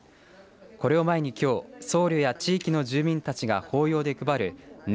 これを前に僧侶や地域の住民たちが法要で配るね